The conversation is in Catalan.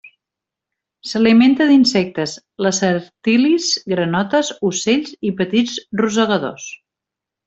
S'alimenta d'insectes, lacertilis, granotes, ocells, i petits rosegadors.